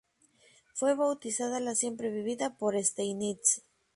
Fue bautizada la "Siempreviva" por Steinitz.